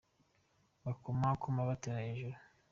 bakoma akamo batera hejuru